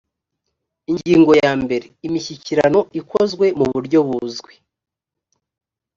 ingingo ya mbere imishyikirano ikozwe mu buryo buzwi